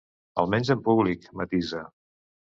Almenys en públic, matisa.